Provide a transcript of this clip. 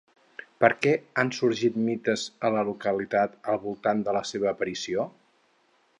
Per què han sorgit mites a la localitat al voltant de la seva aparició?